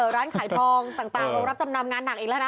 ร้านขายทองต่างโรงรับจำนำงานหนักอีกแล้วนะ